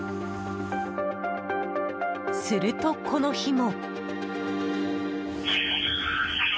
すると、この日も。